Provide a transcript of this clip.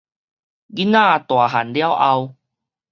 囡仔大漢了後